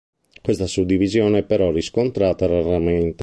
Questa suddivisione è però riscontrata raramente.